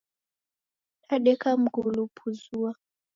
Dadeka mngulu opuzua.